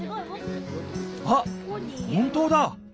あっ本当だ！